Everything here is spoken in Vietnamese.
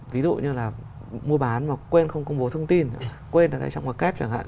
ví dụ như là mua bán và quên không công bố thông tin quên ở đây trong một kép chẳng hạn